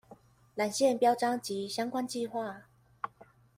纜線標章及相關計畫